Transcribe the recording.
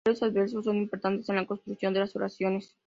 Varios adverbios son importantes en la construcción de las oraciones.